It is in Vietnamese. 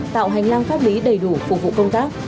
tạo hành lang pháp lý đầy đủ phục vụ công tác